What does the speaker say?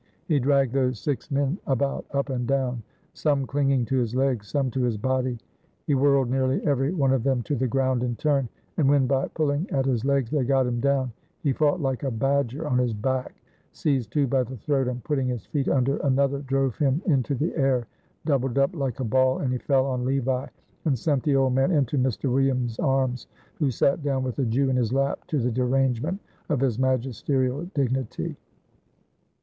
He dragged those six men about up and down, some clinging to his legs, some to his body. He whirled nearly every one of them to the ground in turn; and, when by pulling at his legs they got him down, he fought like a badger on his back, seized two by the throat, and putting his feet under another drove him into the air doubled up like a ball, and he fell on Levi and sent the old man into Mr. Williams' arms, who sat down with a Jew in his lap, to the derangement of his magisterial dignity.